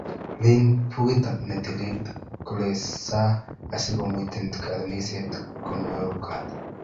Liin bukuit ne tilil koleongesaa asikuamta kaniset komanyokor